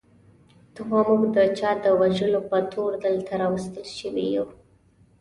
ته وا موږ د چا د وژلو په تور دلته راوستل شوي یو.